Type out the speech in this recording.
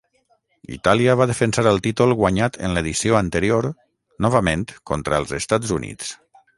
Itàlia va defensar el títol guanyat en l'edició anterior, novament contra els Estats Units.